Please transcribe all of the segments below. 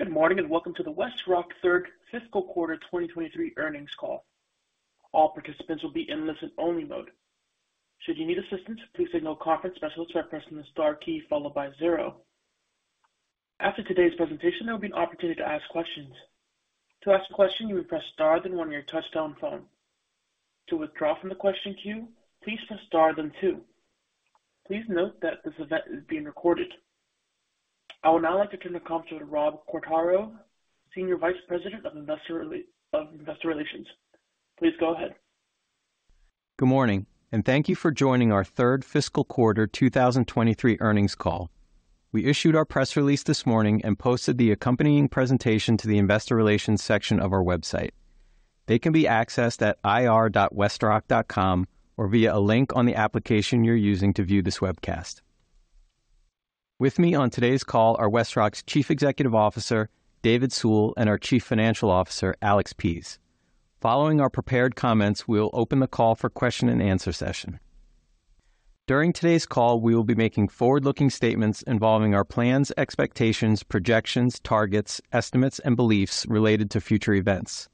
Good morning, and welcome to the WestRock third fiscal quarter 2023 earnings call. All participants will be in listen-only mode. Should you need assistance, please signal conference specialist by pressing the star key followed by zero. After today's presentation, there will be an opportunity to ask questions. To ask a question, you will press star, then one on your touchtone phone. To withdraw from the question queue, please press star, then two. Please note that this event is being recorded. I would now like to turn the call to Rob Quartaro, Senior Vice President of Investor Relations. Please go ahead. Good morning, thank you for joining our third fiscal quarter 2023 earnings call. We issued our press release this morning and posted the accompanying presentation to the Investor Relations section of our website. They can be accessed at ir.westrock.com or via a link on the application you're using to view this webcast. With me on today's call are WestRock's Chief Executive Officer, David Sewell, and our Chief Financial Officer, Alex Pease. Following our prepared comments, we'll open the call for question and answer session. During today's call, we will be making forward-looking statements involving our plans, expectations, projections, targets, estimates, and beliefs related to future events.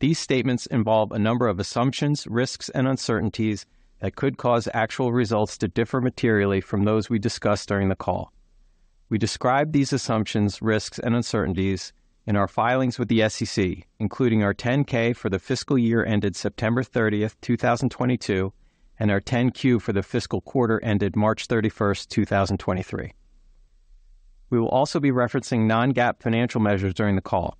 These statements involve a number of assumptions, risks, and uncertainties that could cause actual results to differ materially from those we discuss during the call. We describe these assumptions, risks, and uncertainties in our filings with the SEC, including our 10-K for the fiscal year ended September 30, 2022, and our 10-Q for the fiscal quarter ended March 31, 2023. We will also be referencing non-GAAP financial measures during the call.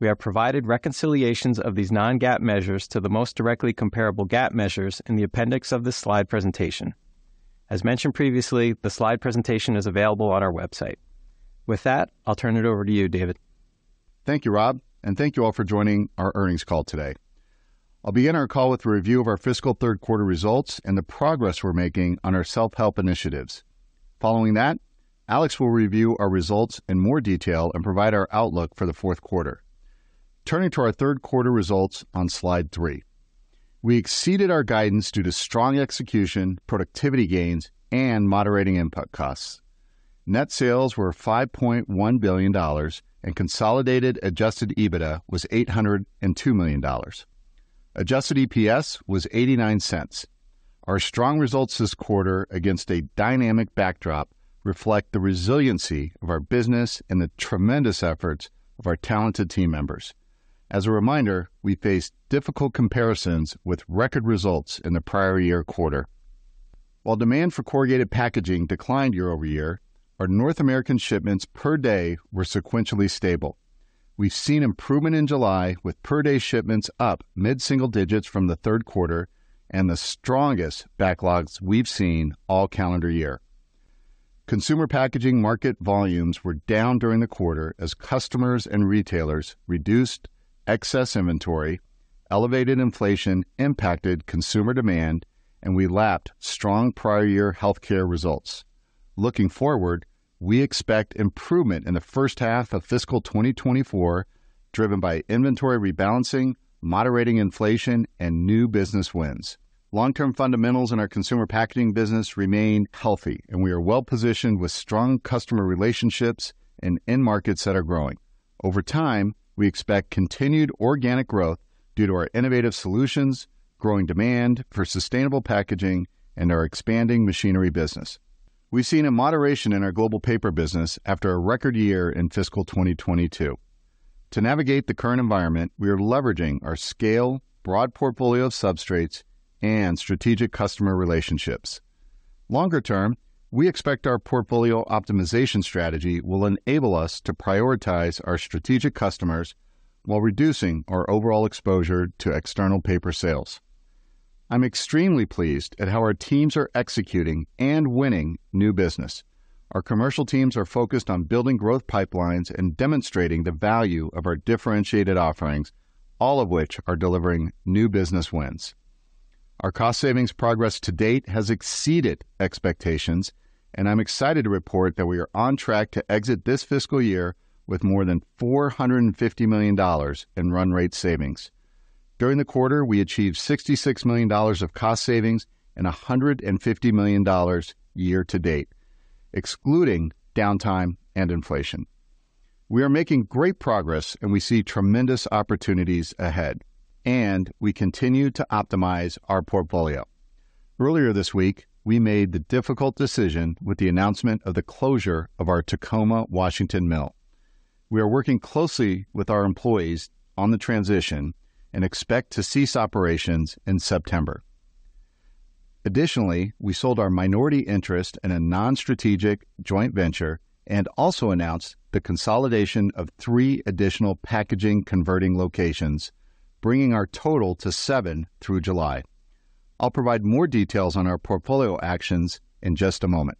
We have provided reconciliations of these non-GAAP measures to the most directly comparable GAAP measures in the appendix of this slide presentation. As mentioned previously, the slide presentation is available on our website. With that, I'll turn it over to you, David. Thank you, Rob. Thank you all for joining our earnings call today. I'll begin our call with a review of our fiscal third quarter results and the progress we're making on our self-help initiatives. Following that, Alex will review our results in more detail and provide our outlook for the fourth quarter. Turning to our third quarter results on slide three. We exceeded our guidance due to strong execution, productivity gains, and moderating input costs. Net sales were $5.1 billion, and consolidated Adjusted EBITDA was $802 million. Adjusted EPS was $0.89. Our strong results this quarter against a dynamic backdrop reflect the resiliency of our business and the tremendous efforts of our talented team members. As a reminder, we faced difficult comparisons with record results in the prior year quarter. While demand for corrugated packaging declined year-over-year, our North American shipments per day were sequentially stable. We've seen improvement in July, with per-day shipments up mid-single digits from the third quarter and the strongest backlogs we've seen all calendar year. Consumer packaging market volumes were down during the quarter as customers and retailers reduced excess inventory, elevated inflation impacted consumer demand. We lapped strong prior year healthcare results. Looking forward, we expect improvement in the first half of fiscal 2024, driven by inventory rebalancing, moderating inflation, and new business wins. Long-term fundamentals in our consumer packaging business remain healthy. We are well-positioned with strong customer relationships and end markets that are growing. Over time, we expect continued organic growth due to our innovative solutions, growing demand for sustainable packaging, and our expanding machinery business. We've seen a moderation in our global paper business after a record year in fiscal 2022. To navigate the current environment, we are leveraging our scale, broad portfolio of substrates, and strategic customer relationships. Longer term, we expect our portfolio optimization strategy will enable us to prioritize our strategic customers while reducing our overall exposure to external paper sales. I'm extremely pleased at how our teams are executing and winning new business. Our commercial teams are focused on building growth pipelines and demonstrating the value of our differentiated offerings, all of which are delivering new business wins. Our cost savings progress to date has exceeded expectations, and I'm excited to report that we are on track to exit this fiscal year with more than $450 million in run rate savings. During the quarter, we achieved $66 million of cost savings and $150 million year to date, excluding downtime and inflation. We are making great progress, and we see tremendous opportunities ahead, and we continue to optimize our portfolio. Earlier this week, we made the difficult decision with the announcement of the closure of our Tacoma, Washington mill. We are working closely with our employees on the transition and expect to cease operations in September. Additionally, we sold our minority interest in a non-strategic joint venture and also announced the consolidation of three additional packaging converting locations, bringing our total to seven through July. I'll provide more details on our portfolio actions in just a moment.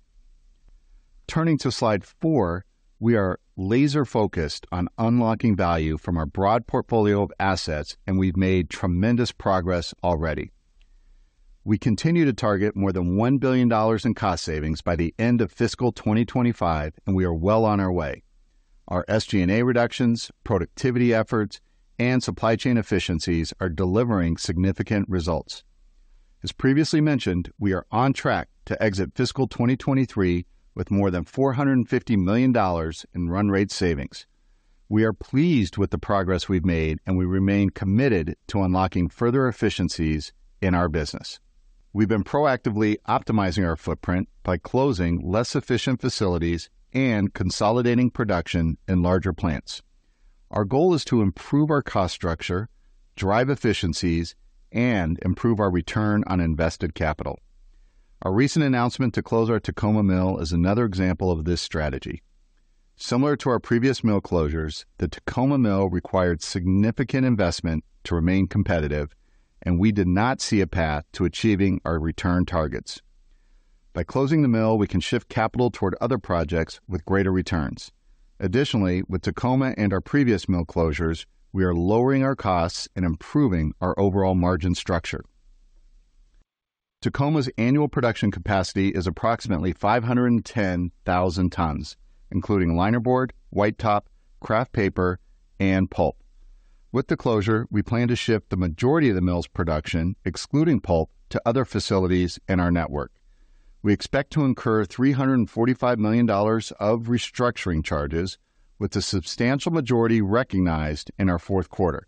Turning to slide four. We are laser focused on unlocking value from our broad portfolio of assets, and we've made tremendous progress already. We continue to target more than $1 billion in cost savings by the end of fiscal 2025. We are well on our way. Our SG&A reductions, productivity efforts, and supply chain efficiencies are delivering significant results. As previously mentioned, we are on track to exit fiscal 2023 with more than $450 million in run rate savings. We are pleased with the progress we've made, and we remain committed to unlocking further efficiencies in our business. We've been proactively optimizing our footprint by closing less efficient facilities and consolidating production in larger plants. Our goal is to improve our cost structure, drive efficiencies, and improve our return on invested capital. Our recent announcement to close our Tacoma Mill is another example of this strategy. Similar to our previous mill closures, the Tacoma Mill required significant investment to remain competitive, and we did not see a path to achieving our return targets. By closing the mill, we can shift capital toward other projects with greater returns. Additionally, with Tacoma and our previous mill closures, we are lowering our costs and improving our overall margin structure. Tacoma's annual production capacity is approximately 510,000 tons, including linerboard, white top, kraft paper, and pulp. With the closure, we plan to ship the majority of the mill's production, excluding pulp, to other facilities in our network. We expect to incur $345 million of restructuring charges, with the substantial majority recognized in our fourth quarter.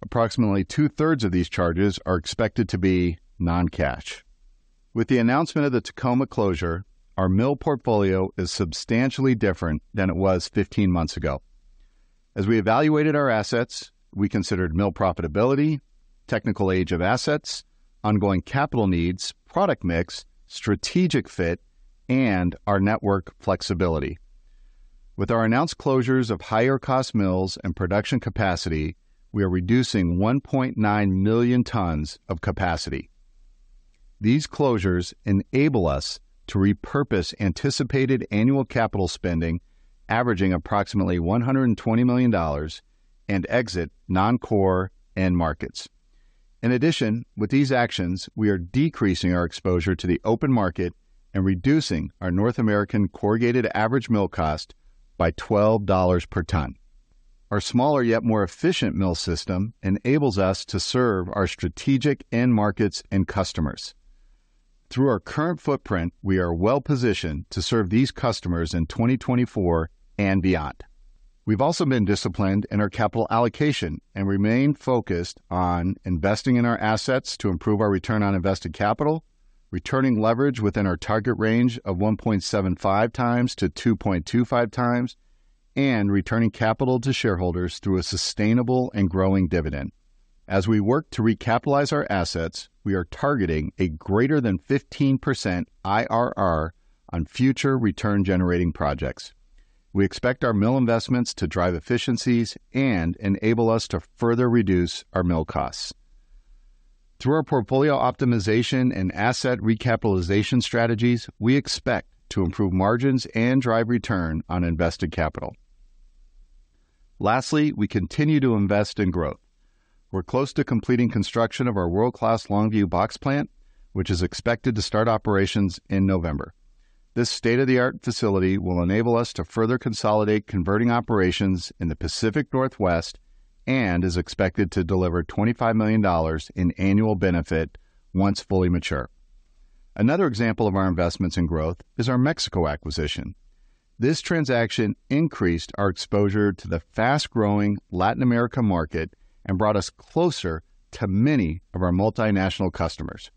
Approximately two-thirds of these charges are expected to be non-cash. With the announcement of the Tacoma closure, our mill portfolio is substantially different than it was 15 months ago. As we evaluated our assets, we considered mill profitability, technical age of assets, ongoing capital needs, product mix, strategic fit, and our network flexibility. With our announced closures of higher-cost mills and production capacity, we are reducing 1.9 million tons of capacity. These closures enable us to repurpose anticipated annual capital spending, averaging approximately $120 million, and exit non-core end markets. In addition, with these actions, we are decreasing our exposure to the open market and reducing our North American corrugated average mill cost by $12 per ton. Our smaller, yet more efficient mill system enables us to serve our strategic end markets and customers. Through our current footprint, we are well positioned to serve these customers in 2024 and beyond. We've also been disciplined in our capital allocation and remain focused on investing in our assets to improve our return on invested capital, returning leverage within our target range of 1.75x-2.25x, and returning capital to shareholders through a sustainable and growing dividend. As we work to recapitalize our assets, we are targeting a greater than 15% IRR on future return-generating projects. We expect our mill investments to drive efficiencies and enable us to further reduce our mill costs. Through our portfolio optimization and asset recapitalization strategies, we expect to improve margins and drive return on invested capital. Lastly, we continue to invest in growth. We're close to completing construction of our world-class Longview box plant, which is expected to start operations in November. This state-of-the-art facility will enable us to further consolidate converting operations in the Pacific Northwest and is expected to deliver $25 million in annual benefit once fully mature. Another example of our investments in growth is our Mexico acquisition. This transaction increased our exposure to the fast-growing Latin America market and brought us closer to many of our multinational customers.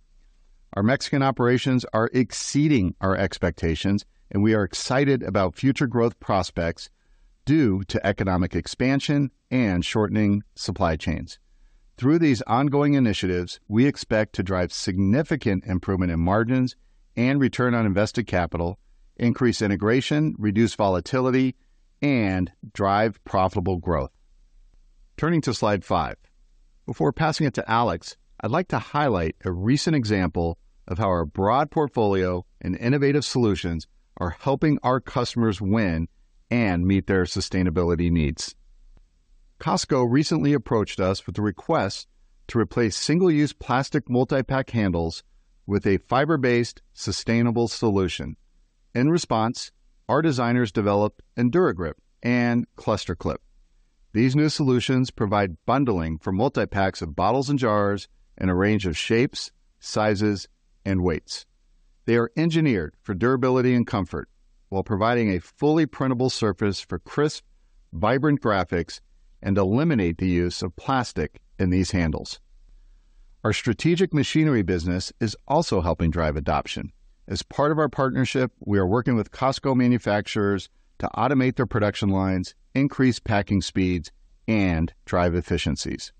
Our Mexican operations are exceeding our expectations, and we are excited about future growth prospects due to economic expansion and shortening supply chains. Through these ongoing initiatives, we expect to drive significant improvement in margins and return on invested capital, increase integration, reduce volatility, and drive profitable growth. Turning to slide five. Before passing it to Alex, I'd like to highlight a recent example of how our broad portfolio and innovative solutions are helping our customers win and meet their sustainability needs. Costco recently approached us with a request to replace single-use plastic multi-pack handles with a fiber-based, sustainable solution. In response, our designers developed EnduraGrip and Cluster-Clip. These new solutions provide bundling for multi-packs of bottles and jars in a range of shapes, sizes, and weights. They are engineered for durability and comfort while providing a fully printable surface for crisp, vibrant graphics and eliminate the use of plastic in these handles. Our strategic machinery business is also helping drive adoption. As part of our partnership, we are working with Costco manufacturers to automate their production lines, increase packing speeds, and drive efficiencies.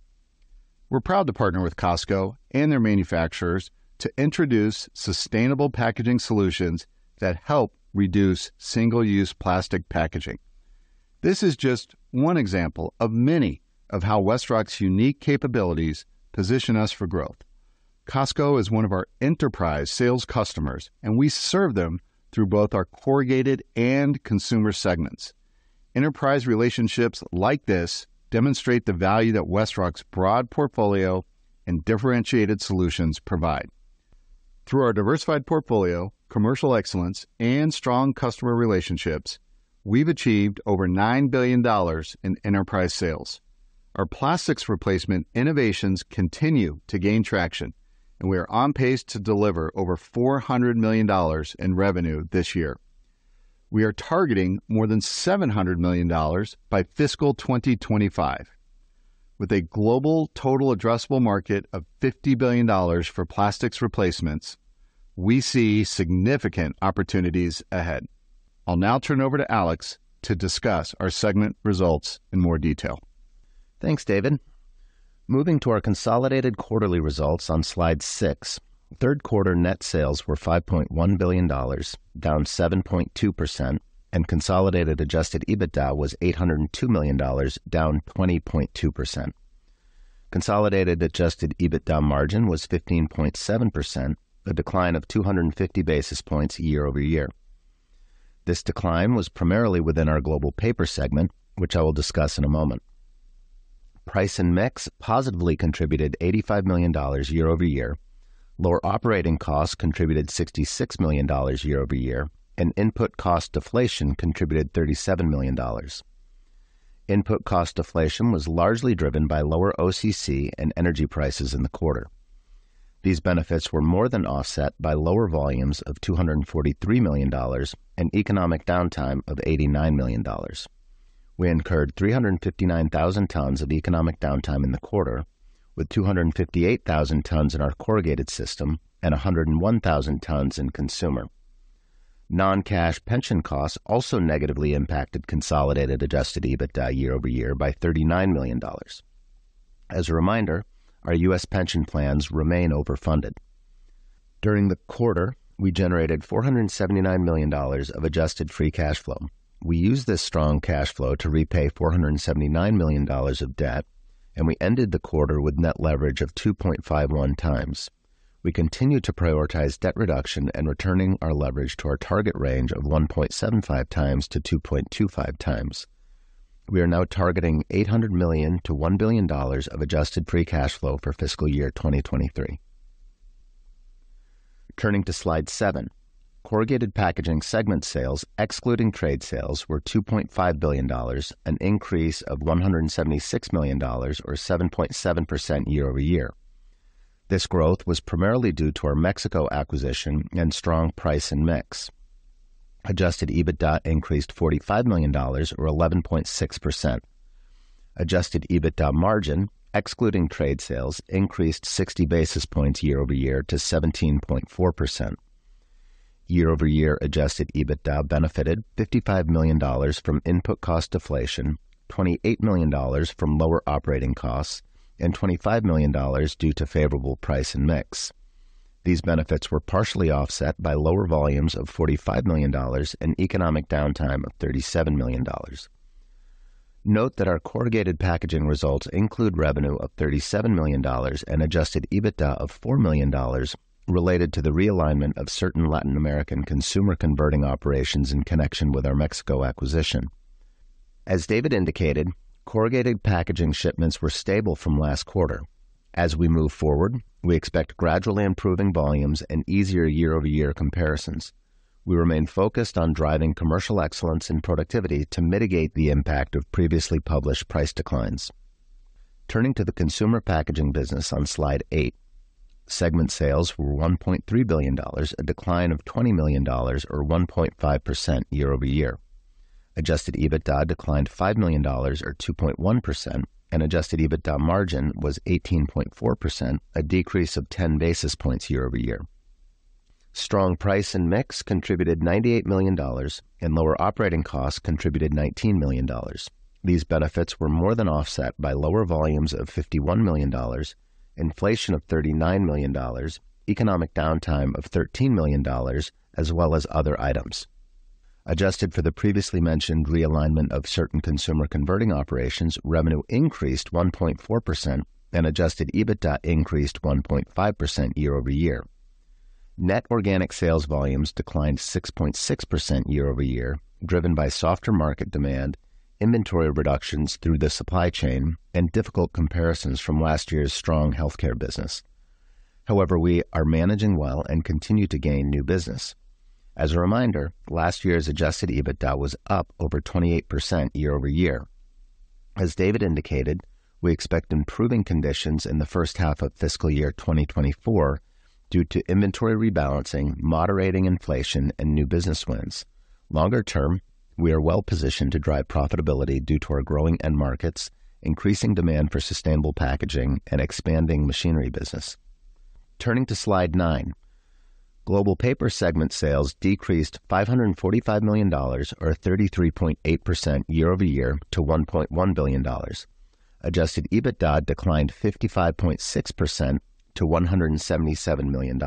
We're proud to partner with Costco and their manufacturers to introduce sustainable packaging solutions that help reduce single-use plastic packaging. This is just one example of many of how WestRock's unique capabilities position us for growth. Costco is one of our enterprise sales customers, and we serve them through both our corrugated and consumer segments. Enterprise relationships like this demonstrate the value that WestRock's broad portfolio and differentiated solutions provide. Through our diversified portfolio, commercial excellence, and strong customer relationships, we've achieved over $9 billion in enterprise sales. Our plastics replacement innovations continue to gain traction, and we are on pace to deliver over $400 million in revenue this year. We are targeting more than $700 million by fiscal 2025. With a global total addressable market of $50 billion for plastics replacements, we see significant opportunities ahead. I'll now turn over to Alex to discuss our segment results in more detail. Thanks, David. Moving to our consolidated quarterly results on slide 6, third quarter net sales were $5.1 billion, down 7.2%. Consolidated Adjusted EBITDA was $802 million, down 20.2%. Consolidated Adjusted EBITDA margin was 15.7%, a decline of 250 basis points year-over-year. This decline was primarily within our global paper segment, which I will discuss in a moment. Price and mix positively contributed $85 million year-over-year. Lower operating costs contributed $66 million year-over-year. Input cost deflation contributed $37 million. Input cost deflation was largely driven by lower OCC and energy prices in the quarter. These benefits were more than offset by lower volumes of $243 million and economic downtime of $89 million. We incurred 359,000 tons of economic downtime in the quarter, with 258,000 tons in our corrugated system and 101,000 tons in consumer. Non-cash pension costs also negatively impacted consolidated Adjusted EBITDA year-over-year by $39 million. As a reminder, our U.S. pension plans remain overfunded. During the quarter, we generated $479 million of Adjusted Free Cash Flow. We used this strong cash flow to repay $479 million of debt, and we ended the quarter with net leverage of 2.51x. We continue to prioritize debt reduction and returning our leverage to our target range of 1.75x-2.25x. We are now targeting $800 million-$1 billion of Adjusted Free Cash Flow for fiscal year 2023. Turning to slide seven. Corrugated packaging segment sales, excluding trade sales, were $2.5 billion, an increase of $176 million, or 7.7% year-over-year. This growth was primarily due to our Mexico acquisition and strong price and mix. Adjusted EBITDA increased $45 million or 11.6%. Adjusted EBITDA margin, excluding trade sales, increased 60 basis points year-over-year to 17.4%. Year-over-year Adjusted EBITDA benefited $55 million from input cost deflation, $28 million from lower operating costs, and $25 million due to favorable price and mix. These benefits were partially offset by lower volumes of $45 million and economic downtime of $37 million. Note that our corrugated packaging results include revenue of $37 million and Adjusted EBITDA of $4 million related to the realignment of certain Latin American consumer converting operations in connection with our Mexico acquisition. As David indicated, corrugated packaging shipments were stable from last quarter. As we move forward, we expect gradually improving volumes and easier year-over-year comparisons. We remain focused on driving commercial excellence and productivity to mitigate the impact of previously published price declines. Turning to the consumer packaging business on slide 8, segment sales were $1.3 billion, a decline of $20 million, or 1.5% year-over-year. Adjusted EBITDA declined $5 million, or 2.1%, and Adjusted EBITDA margin was 18.4%, a decrease of 10 basis points year-over-year. Strong price and mix contributed $98 million, and lower operating costs contributed $19 million. These benefits were more than offset by lower volumes of $51 million, inflation of $39 million, economic downtime of $13 million, as well as other items. Adjusted for the previously mentioned realignment of certain consumer converting operations, revenue increased 1.4%, and Adjusted EBITDA increased 1.5% year-over-year. Net organic sales volumes declined 6.6% year-over-year, driven by softer market demand, inventory reductions through the supply chain, and difficult comparisons from last year's strong healthcare business. We are managing well and continue to gain new business. As a reminder, last year's Adjusted EBITDA was up over 28% year-over-year. As David indicated, we expect improving conditions in the first half of fiscal year 2024 due to inventory rebalancing, moderating inflation, and new business wins. Longer term, we are well-positioned to drive profitability due to our growing end markets, increasing demand for sustainable packaging, and expanding machinery business. Turning to slide nine. Global paper segment sales decreased $545 million, or 33.8% year-over-year to $1.1 billion. Adjusted EBITDA declined 55.6% to $177 million,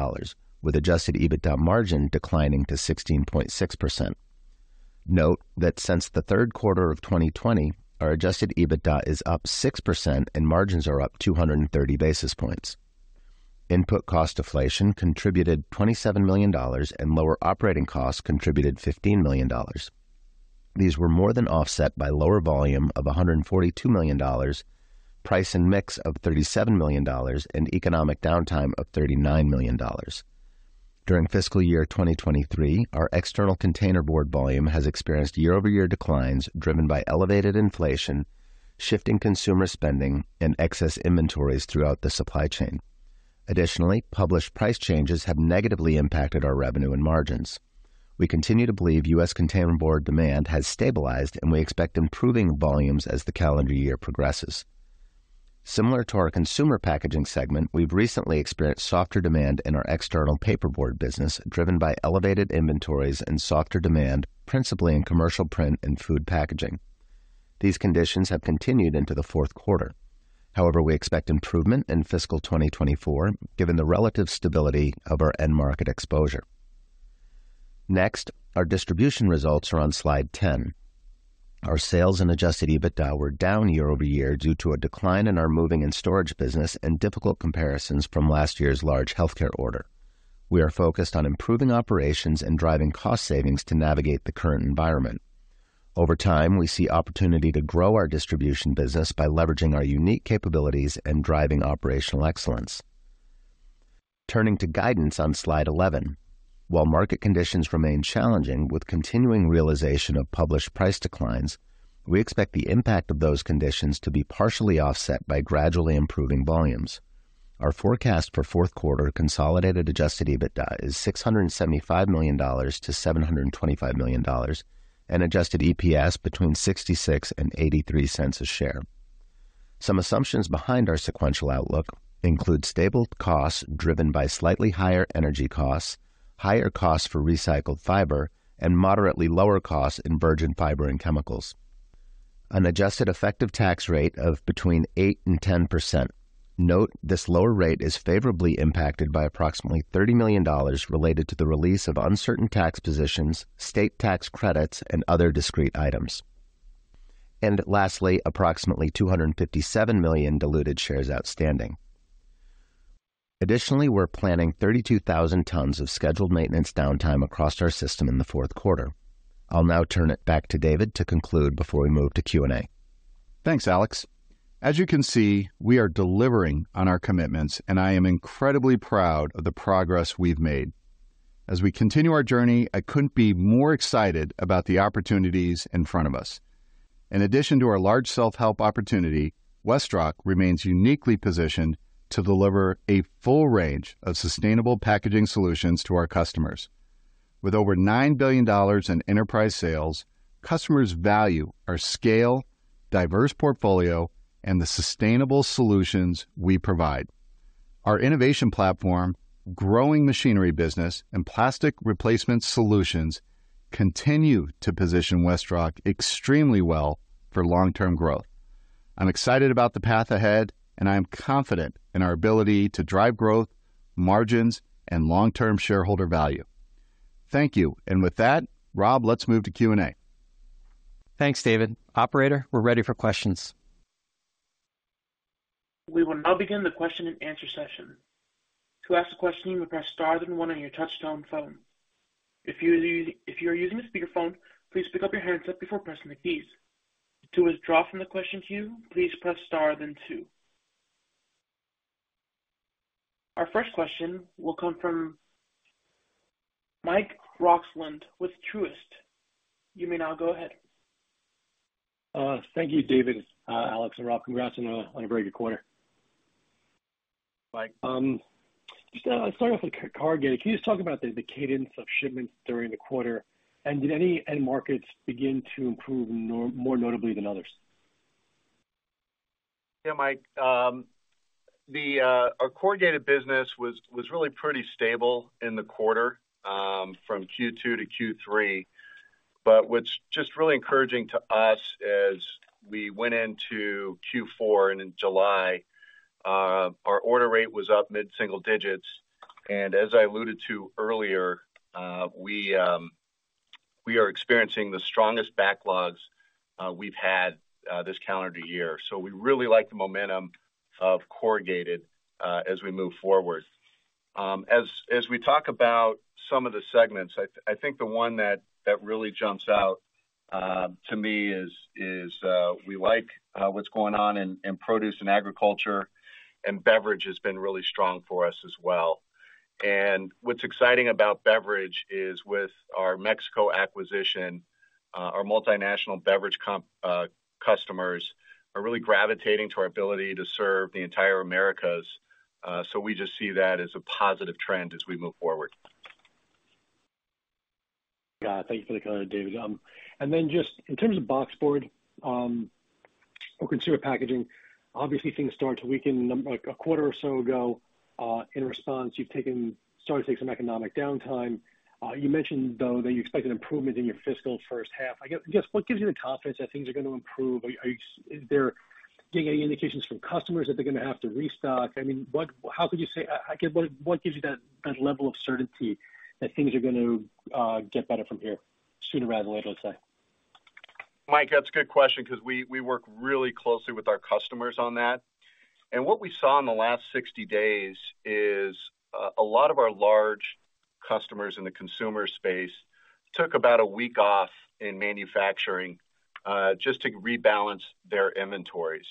with Adjusted EBITDA margin declining to 16.6%. Note that since the third quarter of 2020, our Adjusted EBITDA is up 6% and margins are up 230 basis points. Input cost deflation contributed $27 million, and lower operating costs contributed $15 million.... These were more than offset by lower volume of $142 million, price and mix of $37 million, and economic downtime of $39 million. During fiscal year 2023, our external containerboard volume has experienced year-over-year declines, driven by elevated inflation, shifting consumer spending, and excess inventories throughout the supply chain. Additionally, published price changes have negatively impacted our revenue and margins. We continue to believe U.S. containerboard demand has stabilized, and we expect improving volumes as the calendar year progresses. Similar to our consumer packaging segment, we've recently experienced softer demand in our external paperboard business, driven by elevated inventories and softer demand, principally in commercial print and food packaging. These conditions have continued into the fourth quarter. However, we expect improvement in fiscal 2024, given the relative stability of our end market exposure. Our distribution results are on Slide 10. Our sales and Adjusted EBITDA were down year-over-year due to a decline in our moving and storage business and difficult comparisons from last year's large healthcare order. We are focused on improving operations and driving cost savings to navigate the current environment. Over time, we see opportunity to grow our distribution business by leveraging our unique capabilities and driving operational excellence. Turning to guidance on Slide 11. While market conditions remain challenging with continuing realization of published price declines, we expect the impact of those conditions to be partially offset by gradually improving volumes. Our forecast for fourth quarter consolidated Adjusted EBITDA is $675-$725 million, and Adjusted EPS between $0.66 and $0.83 a share. Some assumptions behind our sequential outlook include stable costs driven by slightly higher energy costs, higher costs for recycled fiber, and moderately lower costs in virgin fiber and chemicals. An adjusted effective tax rate of between 8% and 10%. Note, this lower rate is favorably impacted by approximately $30 million related to the release of uncertain tax positions, state tax credits, and other discrete items. Lastly, approximately 257 million diluted shares outstanding. Additionally, we're planning 32,000 tons of scheduled maintenance downtime across our system in the fourth quarter. I'll now turn it back to David to conclude before we move to Q&A. Thanks, Alex. As you can see, we are delivering on our commitments, I am incredibly proud of the progress we've made. As we continue our journey, I couldn't be more excited about the opportunities in front of us. In addition to our large self-help opportunity, WestRock remains uniquely positioned to deliver a full range of sustainable packaging solutions to our customers. With over $9 billion in enterprise sales, customers value our scale, diverse portfolio, and the sustainable solutions we provide. Our innovation platform, growing machinery business, and plastic replacement solutions continue to position WestRock extremely well for long-term growth. I'm excited about the path ahead, I am confident in our ability to drive growth, margins, and long-term shareholder value. Thank you. With that, Rob, let's move to Q&A. Thanks, David. Operator, we're ready for questions. We will now begin the question-and-answer session. To ask a question, press star, then 1 on your touchtone phone. If you are using a speakerphone, please pick up your handset before pressing the keys. To withdraw from the question queue, please press star, then two. Our first question will come from Mike Roxland with Truist. You may now go ahead. Thank you, David, Alex, and Rob. Congrats on a very good quarter. Mike, just starting off with corrugated. Can you just talk about the cadence of shipments during the quarter, and did any end markets begin to improve more notably than others? Yeah, Mike, the our corrugated business was, was really pretty stable in the quarter, from Q2 to Q3. But what's just really encouraging to us as we went into Q4 and in July, our order rate was up mid-single digits. As I alluded to earlier, we, we are experiencing the strongest backlogs, we've had, this calendar year. We really like the momentum of corrugated as we move forward. As, as we talk about some of the segments, I think the one that, that really jumps out to me is, is, we like what's going on in, in produce and agriculture, and beverage has been really strong for us as well. What's exciting about beverage is, with our Mexico acquisition, our multinational beverage comp, customers are really gravitating to our ability to serve the entire Americas. We just see that as a positive trend as we move forward. Yeah, thank you for the color, David. Then just in terms of box board, or consumer packaging, obviously, things started to weaken, like, a quarter or so ago. In response, you've started to take some economic downtime. You mentioned, though, that you expect an improvement in your fiscal first half. I guess, what gives you the confidence that things are going to improve? Is there getting any indications from customers that they're going to have to restock? I mean, what How could you say. Again, what, what gives you that, that level of certainty that things are going to get better from here sooner rather than later, let's say? Mike, that's a good question, because we, we work really closely with our customers on that. What we saw in the last 60 days is a lot of our large customers in the consumer space took about 1 week off in manufacturing, just to rebalance their inventories.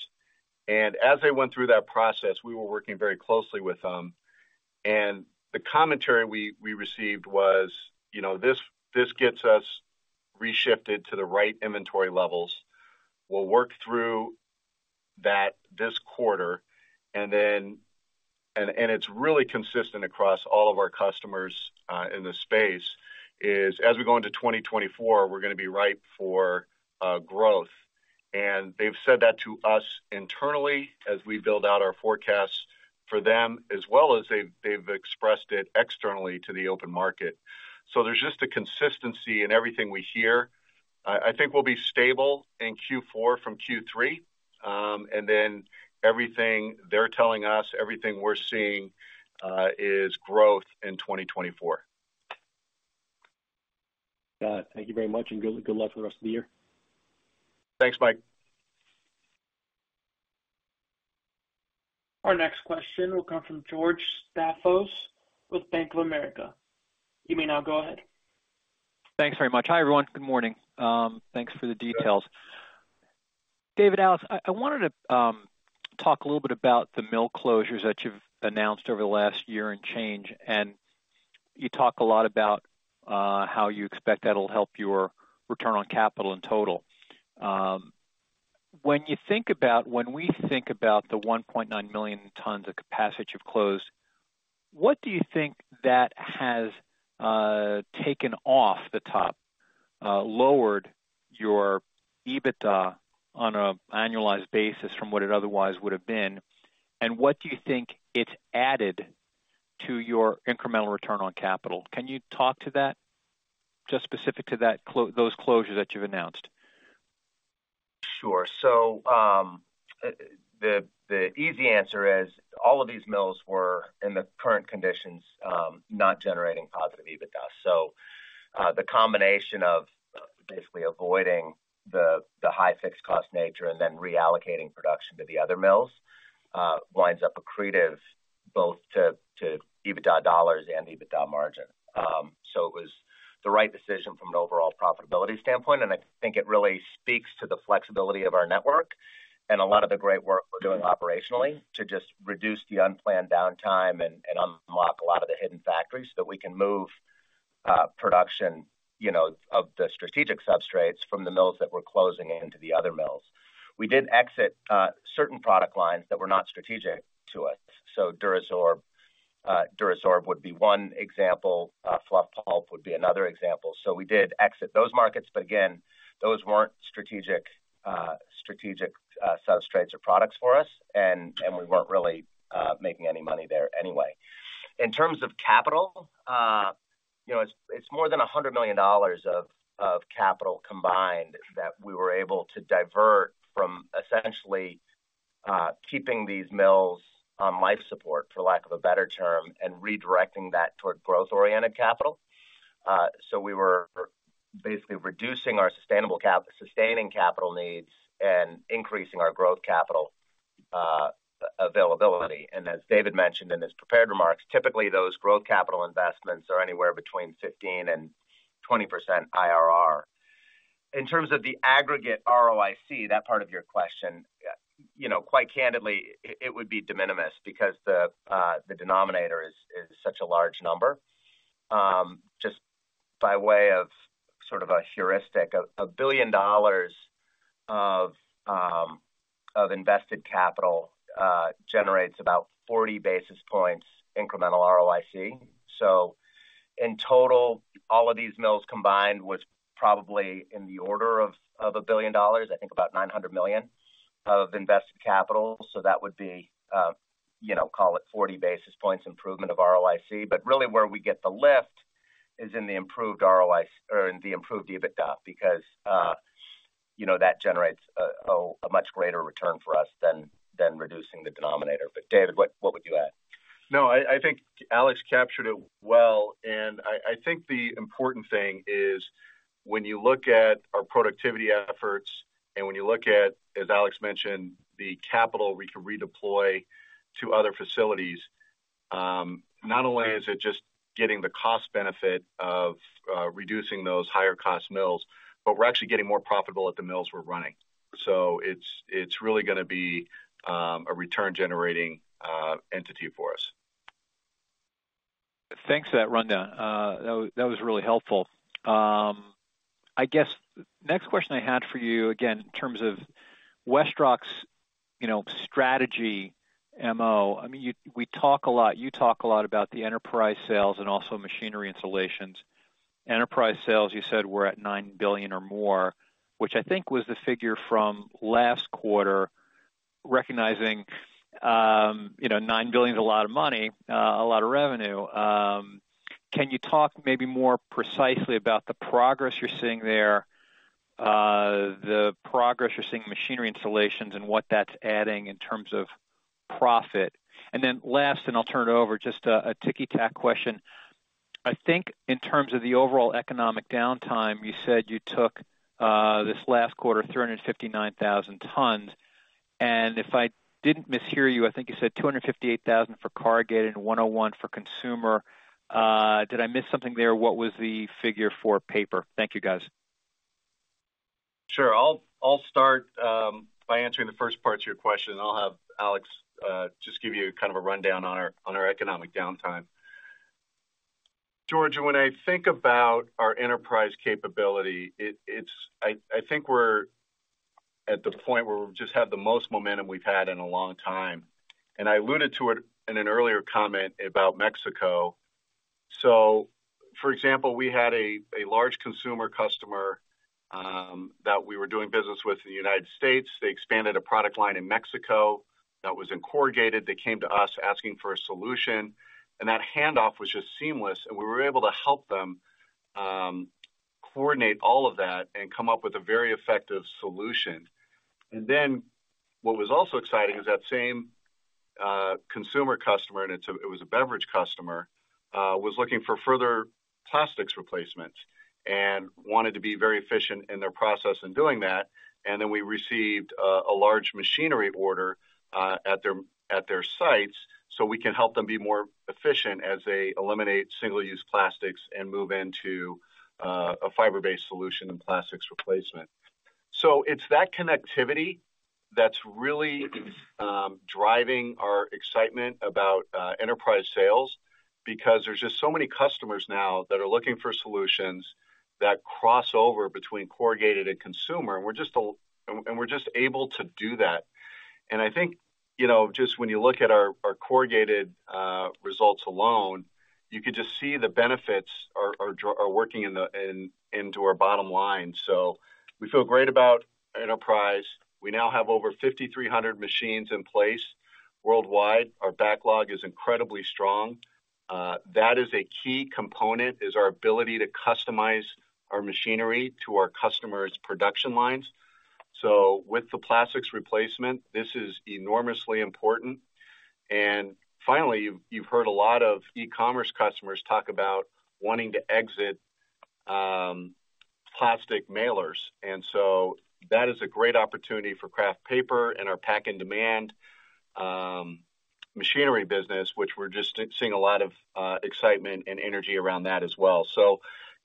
As they went through that process, we were working very closely with them, and the commentary we, we received was, you know, "This, this gets us reshifted to the right inventory levels. We'll work through that this quarter." It's really consistent across all of our customers in the space, is as we go into 2024, we're going to be ripe for growth. They've said that to us internally as we build out our forecasts for them, as well as they've, they've expressed it externally to the open market. There's just a consistency in everything we hear. I, I think we'll be stable in Q4 from Q3, then everything they're telling us, everything we're seeing, is growth in 2024. Got it. Thank you very much, and good luck with the rest of the year. Thanks, Mike. Our next question will come from George Staphos with Bank of America. You may now go ahead. Thanks very much. Hi, everyone. Good morning. Thanks for the details. David, Alex, I, I wanted to talk a little bit about the mill closures that you've announced over the last year and change, you talk a lot about how you expect that'll help your return on capital in total. When we think about the 1.9 million tons of capacity you've closed, what do you think that has taken off the top, lowered your EBITDA on an annualized basis from what it otherwise would have been? What do you think it's added to your incremental return on capital? Can you talk to that, just specific to those closures that you've announced? Sure. The, the easy answer is, all of these mills were, in the current conditions, not generating positive EBITDA. The combination of basically avoiding the, the high fixed cost nature and then reallocating production to the other mills, winds up accretive both to, to EBITDA dollars and EBITDA margin. It was the right decision from an overall profitability standpoint, and I think it really speaks to the flexibility of our network and a lot of the great work we're doing operationally to just reduce the unplanned downtime and, and unlock a lot of the hidden factories, so that we can move, production, you know, of the strategic substrates from the mills that we're closing into the other mills. We did exit, certain product lines that were not strategic to us. DuraSorb, DuraSorb would be one example, fluff pulp would be another example. We did exit those markets, but again, those weren't strategic, strategic substrates or products for us, and we weren't really making any money there anyway. In terms of capital, you know, it's more than $100 million of capital combined that we were able to divert from essentially keeping these mills on life support, for lack of a better term, and redirecting that toward growth-oriented capital. We were basically reducing our sustaining capital needs and increasing our growth capital availability. As David mentioned in his prepared remarks, typically those growth capital investments are anywhere between 15%-20% IRR. In terms of the aggregate ROIC, that part of your question, you know, quite candidly, it, it would be de minimis because the, the denominator is, is such a large number. Just by way of sort of a heuristic, $1 billion of invested capital generates about 40 basis points incremental ROIC. So in total, all of these mills combined was probably in the order of $1 billion, I think about $900 million of invested capital. So that would be, you know, call it 40 basis points improvement of ROIC. Really, where we get the lift is in the improved ROIC or in the improved EBITDA, because, you know, that generates a, a much greater return for us than, than reducing the denominator. David, what, what would you add? No, I, I think Alex captured it well, and I, I think the important thing is when you look at our productivity efforts, and when you look at, as Alex mentioned, the capital we can redeploy to other facilities, not only is it just getting the cost benefit of reducing those higher cost mills, but we're actually getting more profitable at the mills we're running. It's, it's really going to be a return-generating entity for us. Thanks for that rundown. That was, that was really helpful. I guess the next question I had for you, again, in terms of WestRock's, you know, strategy MO, I mean, we talk a lot, you talk a lot about the enterprise sales and also machinery installations. Enterprise sales, you said, were at $9 billion or more, which I think was the figure from last quarter, recognizing, you know, $9 billion is a lot of money, a lot of revenue. Can you talk maybe more precisely about the progress you're seeing there, the progress you're seeing in machinery installations and what that's adding in terms of profit? Then last, and I'll turn it over, just a, a ticky-tack question. I think in terms of the overall economic downtime, you said you took, this last quarter, 359,000 tons. If I didn't mishear you, I think you said 258,000 for corrugated and 101 for consumer. Did I miss something there? What was the figure for paper? Thank you, guys. Sure. I'll, I'll start by answering the first part to your question, and I'll have Alex just give you kind of a rundown on our, on our economic downtime. George, when I think about our enterprise capability, it, it's. I, I think we're at the point where we've just had the most momentum we've had in a long time, and I alluded to it in an earlier comment about Mexico. For example, we had a, a large consumer customer that we were doing business with in the United States. They expanded a product line in Mexico that was in corrugated. They came to us asking for a solution, and that handoff was just seamless, and we were able to help them coordinate all of that and come up with a very effective solution. What was also exciting is that same consumer customer, and it was a beverage customer, was looking for further plastics replacements and wanted to be very efficient in their process in doing that. We received a large machinery order at their, at their sites, so we can help them be more efficient as they eliminate single-use plastics and move into a fiber-based solution in plastics replacement. It's that connectivity that's really driving our excitement about enterprise sales, because there's just so many customers now that are looking for solutions that cross over between corrugated and consumer, and we're just able to do that. I think, you know, just when you look at our, our corrugated results alone, you can just see the benefits are working into our bottom line. We feel great about enterprise. We now have over 5,300 machines in place worldwide. Our backlog is incredibly strong. That is a key component, is our ability to customize our machinery to our customer's production lines. With the plastics replacement, this is enormously important. Finally, you've heard a lot of e-commerce customers talk about wanting to exit plastic mailers, and so that is a great opportunity for kraft paper and our Pak on Demand machinery business, which we're just seeing a lot of excitement and energy around that as well.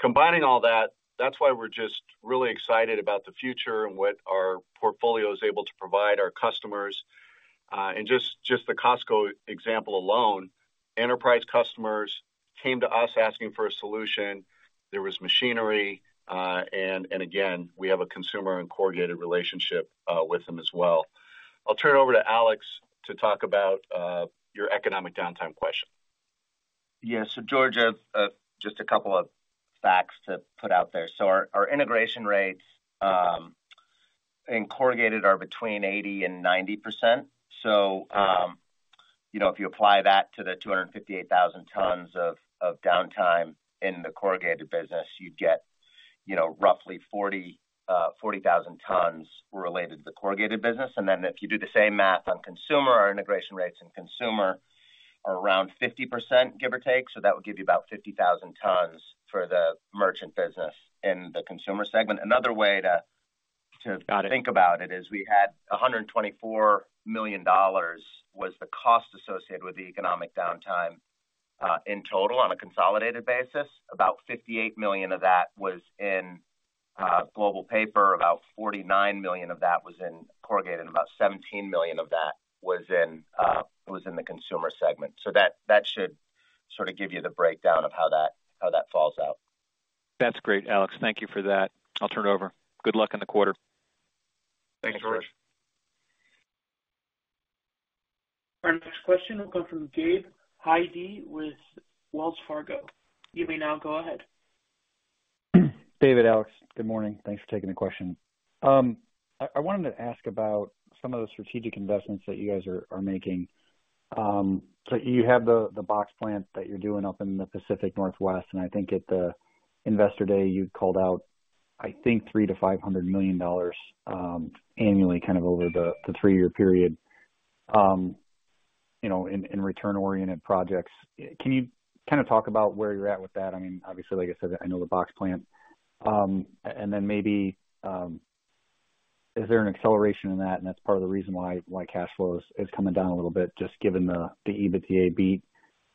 Combining all that, that's why we're just really excited about the future and what our portfolio is able to provide our customers. And just, just the Costco example alone, enterprise customers came to us asking for a solution. There was machinery, and, and again, we have a consumer and corrugated relationship, with them as well. I'll turn it over to Alex to talk about, your economic downtime question. Yeah. George, just a couple of facts to put out there. Our, our integration rates in corrugated are between 80% and 90%. You know, if you apply that to the 258,000 tons of, of downtime in the corrugated business, you'd get, you know, roughly 40,000 tons related to the corrugated business. Then if you do the same math on consumer, our integration rates in consumer are around 50%, give or take. That would give you about 50,000 tons for the merchant business in the consumer segment. Another way to. Got it. think about it is we had $124 million, was the cost associated with the economic downtime, in total on a consolidated basis. About $58 million of that was in global paper, about $49 million of that was in corrugated, and about $17 million of that was in the consumer segment. That, that should sort of give you the breakdown of how that, how that falls out. That's great, Alex. Thank you for that. I'll turn it over. Good luck in the quarter. Thanks, George. Our next question will come from Gabe Hajde with Wells Fargo. You may now go ahead. David, Alex, good morning. Thanks for taking the question. I wanted to ask about some of the strategic investments that you guys are making. You have the box plant that you're doing up in the Pacific Northwest, and I think at the Investor Day, you called out, I think, $300 million-$500 million annually, kind of over the three-year period, you know, in return-oriented projects. Can you kind of talk about where you're at with that? I mean, obviously, like I said, I know the box plant. Is there an acceleration in that, and that's part of the reason why cash flow is coming down a little bit, just given the EBITDA beat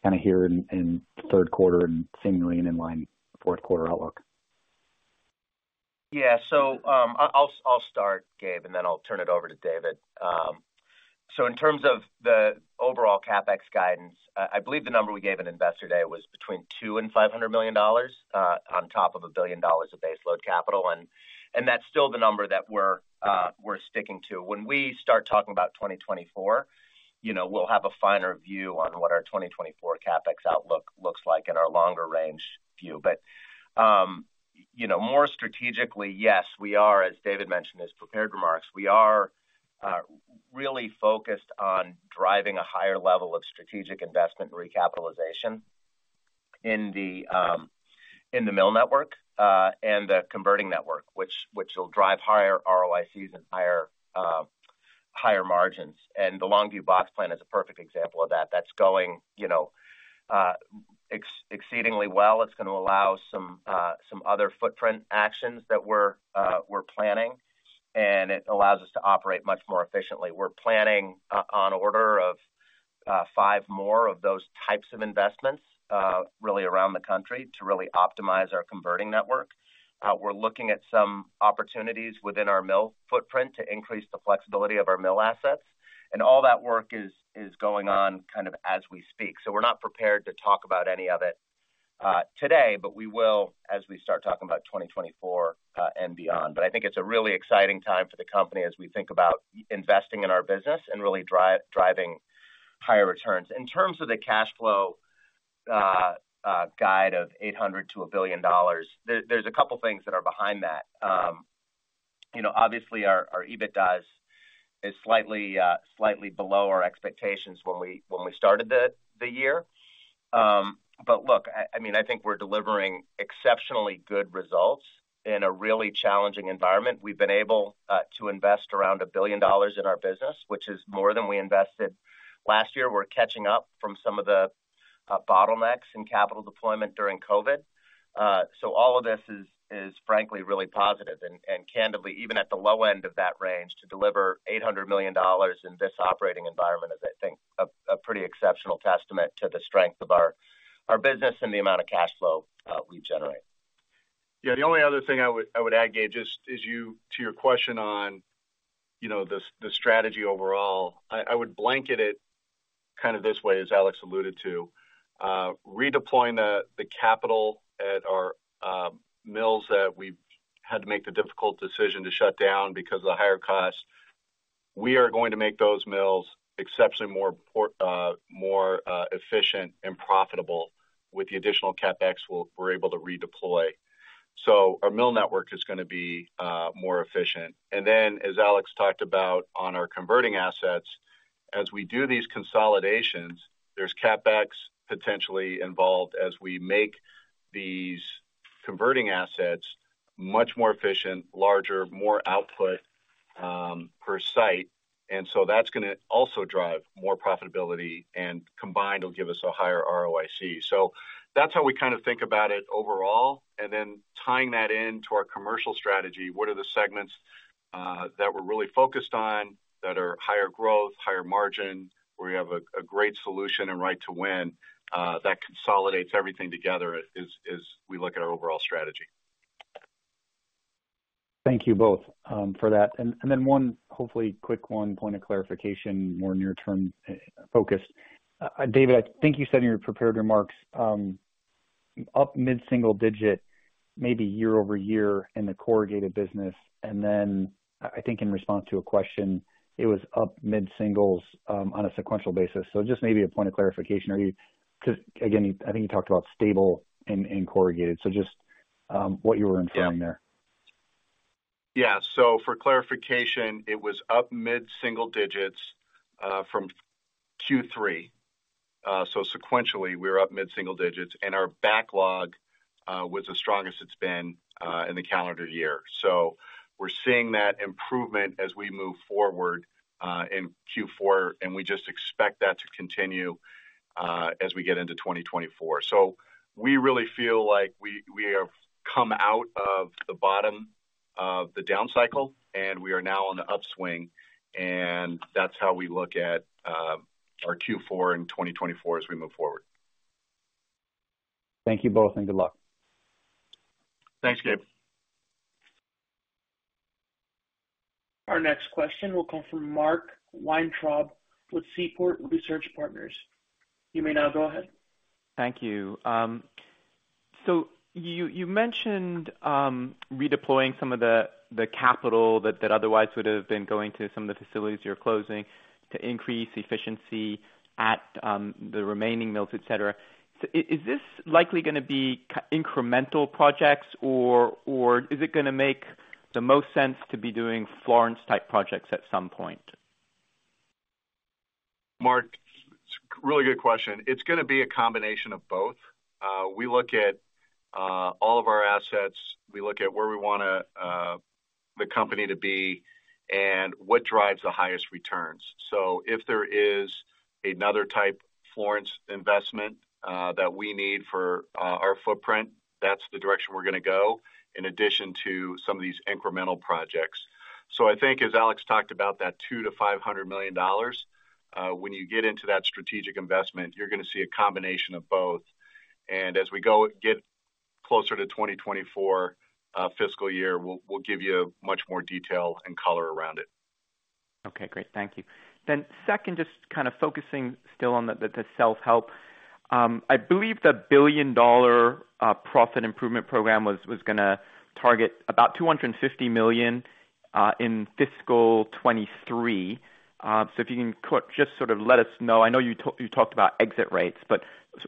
kind of here in the third quarter and seemingly an in line fourth quarter outlook? Yeah. I'll, I'll start, Gabe, and then I'll turn it over to David. In terms of the overall CapEx guidance, I believe the number we gave in Investor Day was between $200 million-$500 million on top of $1 billion of baseload capital. That's still the number that we're sticking to. When we start talking about 2024, you know, we'll have a finer view on what our 2024 CapEx outlook looks like in our longer-range view. You know, more strategically, yes, we are, as David mentioned in his prepared remarks, we are really focused on driving a higher level of strategic investment recapitalization in the mill network and the converting network, which, which will drive higher ROICs and higher-... higher margins, and the Longview box plant is a perfect example of that. That's going, you know, exceedingly well. It's gonna allow some, some other footprint actions that we're planning, and it allows us to operate much more efficiently. We're planning, on order of 5 more of those types of investments, really around the country to really optimize our converting network. We're looking at some opportunities within our mill footprint to increase the flexibility of our mill assets. All that work is, is going on kind of as we speak. We're not prepared to talk about any of it today, but we will as we start talking about 2024 and beyond. I think it's a really exciting time for the company as we think about investing in our business and really driving higher returns. In terms of the cash flow guide of $800 million-$1 billion, there's a couple things that are behind that. You know, obviously, our EBITDA is slightly below our expectations when we started the year. Look, I mean, I think we're delivering exceptionally good results in a really challenging environment. We've been able to invest around $1 billion in our business, which is more than we invested last year. We're catching up from some of the bottlenecks in capital deployment during COVID. All of this is, is frankly, really positive, and, and candidly, even at the low end of that range, to deliver $800 million in this operating environment is, I think, a, a pretty exceptional testament to the strength of our, our business and the amount of cash flow we generate. Yeah, the only other thing I would add, Gabe, is, you to your question on, you know, the strategy overall. I, I would blanket it kind of this way, as Alex alluded to: redeploying the capital at our mills that we've had to make the difficult decision to shut down because of the higher costs, we are going to make those mills exceptionally more productive, more efficient and profitable with the additional CapEx we're able to redeploy. Our mill network is gonna be more efficient. Then, as Alex talked about on our converting assets, as we do these consolidations, there's CapEx potentially involved as we make these converting assets much more efficient, larger, more output per site, that's gonna also drive more profitability, combined, will give us a higher ROIC. That's how we kind of think about it overall, and then tying that into our commercial strategy, what are the segments that we're really focused on that are higher growth, higher margin, where we have a great solution and right to win that consolidates everything together as, as we look at our overall strategy? Thank you both for that. Then one, hopefully quick one, point of clarification, more near-term focus. David, I think you said in your prepared remarks, up mid-single digit, maybe year-over-year in the corrugated business, and then I, I think in response to a question, it was up mid-singles on a sequential basis. Just maybe a point of clarification, are you-- 'cause again, I think you talked about stable in corrugated, just what you were implying there? Yeah. For clarification, it was up mid-single digits from Q3. Sequentially, we were up mid-single digits, and our backlog was the strongest it's been in the calendar year. We're seeing that improvement as we move forward in Q4, and we just expect that to continue as we get into 2024. We really feel like we, we have come out of the bottom of the down cycle, and we are now on the upswing, and that's how we look at our Q4 in 2024 as we move forward. Thank you both. Good luck. Thanks, Gabe. Our next question will come from Mark Weintraub with Seaport Research Partners. You may now go ahead. Thank you. You, you mentioned redeploying some of the capital that otherwise would have been going to some of the facilities you're closing to increase efficiency at the remaining mills, et cetera. Is this likely gonna be incremental projects, or is it gonna make the most sense to be doing Florence-type projects at some point? Mark, it's a really good question. It's gonna be a combination of both. We look at all of our assets, we look at where we wanna the company to be and what drives the highest returns. If there is another type Florence investment that we need for our footprint, that's the direction we're gonna go, in addition to some of these incremental projects. I think, as Alex talked about, that $200 million-$500 million, when you get into that strategic investment, you're gonna see a combination of both. As get closer to 2024 fiscal year, we'll, we'll give you much more detail and color around it. Okay, great. Thank you. Second, just kind of focusing still on the, the self-help. I believe the $1 billion profit improvement program was gonna target about $250 million in fiscal 2023. If you can quick, just sort of let us know. I know you talked about exit rates,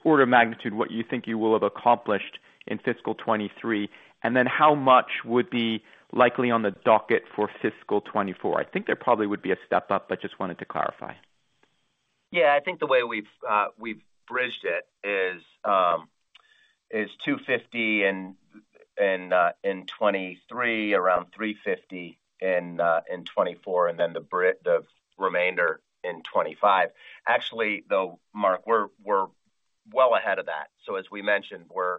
order of magnitude, what you think you will have accomplished in fiscal 2023, and then how much would be likely on the docket for fiscal 2024? I think there probably would be a step up, just wanted to clarify.... Yeah, I think the way we've, we've bridged it is, is $250 in, in 2023, around $350 in 2024, and then the remainder in 2025. Actually, though, Mark, we're, we're well ahead of that. As we mentioned, we're,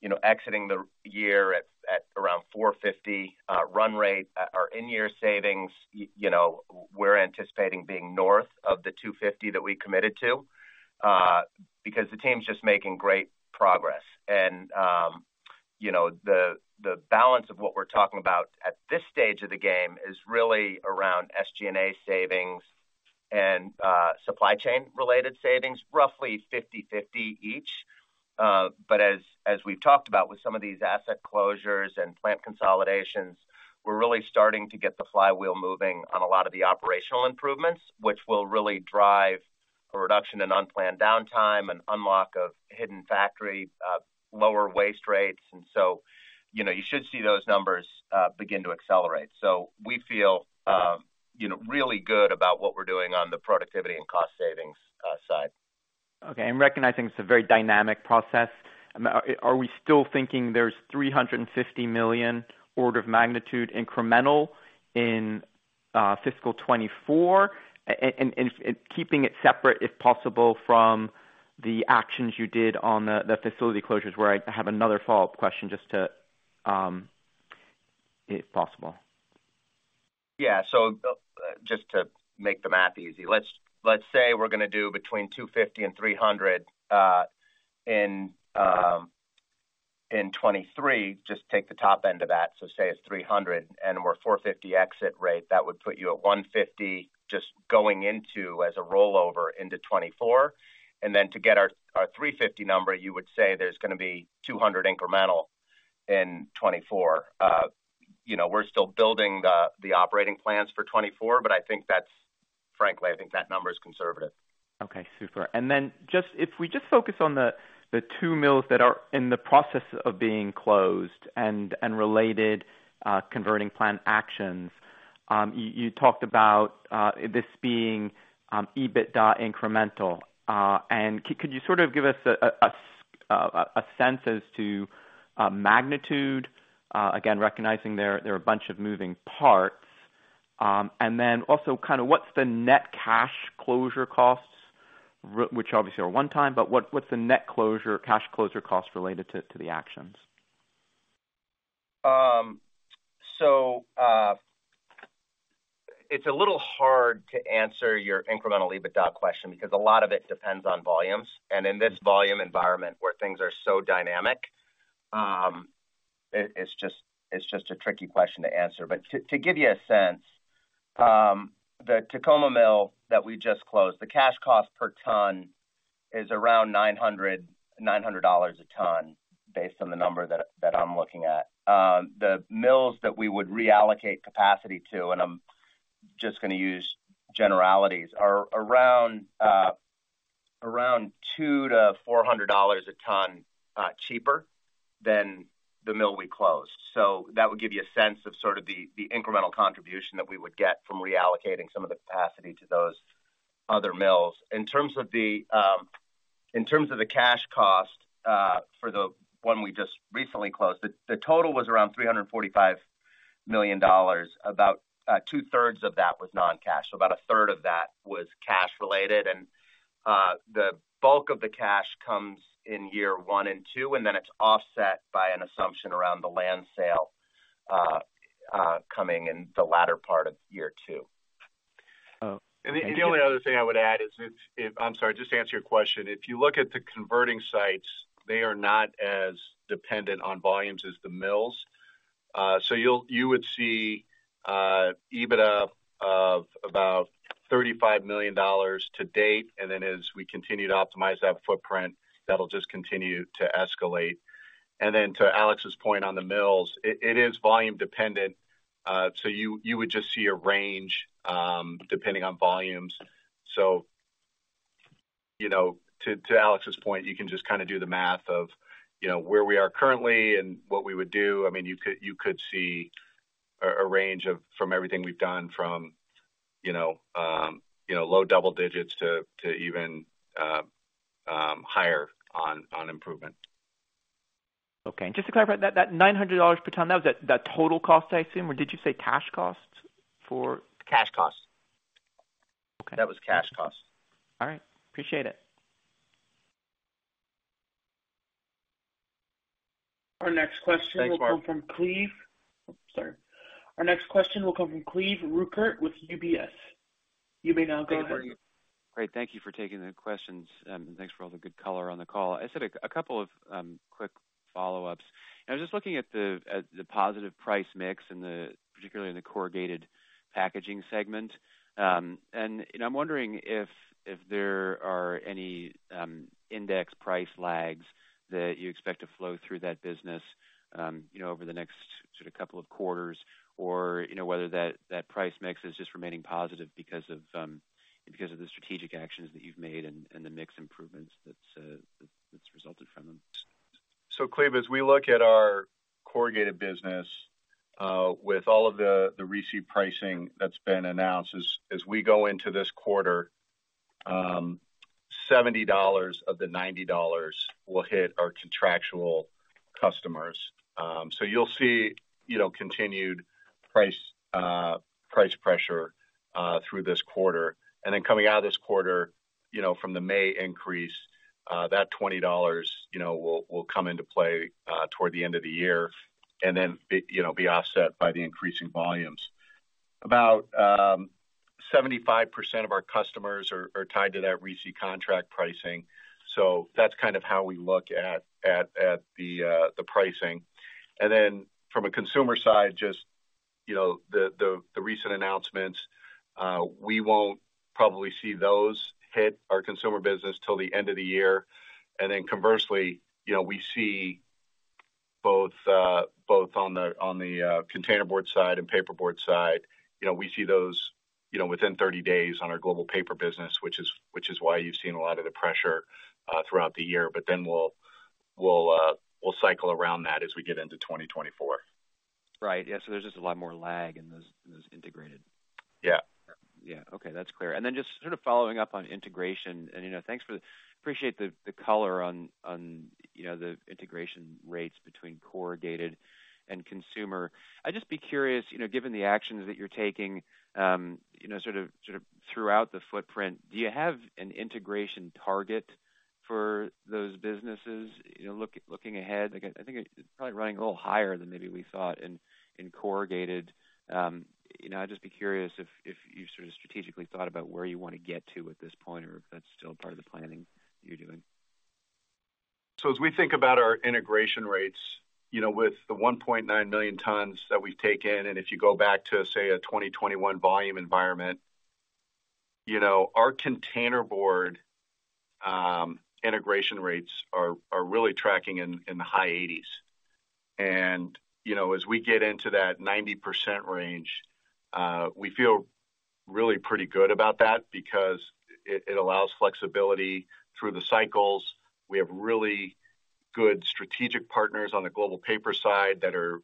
you know, exiting the year at, at around $450 run rate. Our in-year savings, you know, we're anticipating being north of the $250 that we committed to, because the team's just making great progress. You know, the, the balance of what we're talking about at this stage of the game is really around SG&A savings and supply chain-related savings, roughly 50/50 each. As, as we've talked about with some of these asset closures and plant consolidations, we're really starting to get the flywheel moving on a lot of the operational improvements, which will really drive a reduction in unplanned downtime and unlock of hidden factory, lower waste rates. You know, you should see those numbers begin to accelerate. We feel, you know, really good about what we're doing on the productivity and cost savings side. Okay, I'm recognizing it's a very dynamic process. Are we still thinking there's $350 million order of magnitude incremental in fiscal 2024, and keeping it separate, if possible, from the actions you did on the facility closures, where I have another follow-up question, just to, if possible? Yeah. Just to make the math easy, let's say we're gonna do between $250 and $300 in 2023. Just take the top end of that. Say it's $300, and we're $450 exit rate, that would put you at $150, just going into as a rollover into 2024. Then to get our $350 number, you would say there's gonna be $200 incremental in 2024. You know, we're still building the operating plans for 2024, but I think that's. Frankly, I think that number is conservative. Okay, super. Then if we just focus on the two mills that are in the process of being closed and related converting plant actions. You talked about this being EBITDA incremental. Could you sort of give us a sense as to magnitude? Again, recognizing there are a bunch of moving parts. Then also kind of what's the net cash closure costs, which obviously are one-time, but what's the net closure, cash closure costs related to the actions? So, it's a little hard to answer your incremental EBITDA question because a lot of it depends on volumes. In this volume environment where things are so dynamic, it's just, it's just a tricky question to answer. To give you a sense, the Tacoma Mill that we just closed, the cash cost per ton is around $900 a ton, based on the number that, that I'm looking at. The mills that we would reallocate capacity to, and I'm just gonna use generalities, are around $200-$400 a ton cheaper than the mill we closed. That would give you a sense of sort of the, the incremental contribution that we would get from reallocating some of the capacity to those other mills. In terms of the, in terms of the cash cost, for the one we just recently closed, the, the total was around $345 million. About, two-thirds of that was non-cash, so about a third of that was cash related. The bulk of the cash comes in year one and two, and then it's offset by an assumption around the land sale, coming in the latter part of year two. Oh- The only other thing I would add is if, I'm sorry, just to answer your question. If you look at the converting sites, they are not as dependent on volumes as the mills. So you would see EBITDA of about $35 million to date, then as we continue to optimize that footprint, that'll just continue to escalate. Then to Alex's point on the mills, it is volume dependent, so you would just see a range depending on volumes. You know, to Alex's point, you can just kind of do the math of, you know, where we are currently and what we would do. I mean, you could see a range of, from everything we've done from, you know, low double digits to even higher on improvement. Okay. Just to clarify, that, that $900 per ton, that was the, the total cost, I assume, or did you say cash costs for- Cash costs. Okay. That was cash costs. All right. Appreciate it. Our next question- Thanks, Mark. will come from Cleve. Sorry. Our next question will come from Cleve Rueckert with UBS. You may now go ahead. Great. Thank you for taking the questions, and thanks for all the good color on the call. I just had a, a couple of, quick follow-ups. I was just looking at the, at the positive price mix and the, particularly in the corrugated packaging segment. You know, I'm wondering if, if there are any, index price lags that you expect to flow through that business, you know, over the next sort of couple of quarters, or, you know, whether that, that price mix is just remaining positive because of, because of the strategic actions that you've made and, and the mix improvements that's, that's resulted from them? Cleve, as we look at our corrugated business, with all of the, the receipt pricing that's been announced, as, as we go into this quarter, $70 of the $90 will hit our contractual customers. You'll see, you know, continued price, price pressure, through this quarter. Coming out of this quarter, you know, from the May increase, that $20, you know, will, will come into play, toward the end of the year, and then it, you know, be offset by the increasing volumes. About, 75% of our customers are, are tied to that RISI contract pricing. That's kind of how we look at, at, at the, the pricing. From a consumer side, just, you know, the, the, the recent announcements, we won't probably see those hit our consumer business till the end of the year. Conversely, you know, we see both, both on the, on the, containerboard side and paperboard side, you know, we see those, you know, within 30 days on our global paper business, which is, which is why you've seen a lot of the pressure throughout the year. We'll, we'll, we'll cycle around that as we get into 2024. Right. Yeah, there's just a lot more lag in those, those integrated. Yeah. Yeah. Okay, that's clear. Then just sort of following up on integration, and, you know, thanks for the appreciate the color on, on, you know, the integration rates between corrugated and consumer. I'd just be curious, you know, given the actions that you're taking, you know, sort of, sort of throughout the footprint, do you have an integration target for those businesses? You know, looking ahead, again, I think it's probably running a little higher than maybe we thought in, in corrugated. You know, I'd just be curious if, if you've sort of strategically thought about where you want to get to at this point, or if that's still part of the planning you're doing? As we think about our integration rates, you know, with the 1.9 million tons that we've taken, if you go back to, say, a 2021 volume environment, you know, our containerboard, integration rates are, are really tracking in, in the high 80s. You know, as we get into that 90% range, we feel really pretty good about that because it, it allows flexibility through the cycles. We have really good strategic partners on the global paper side that are,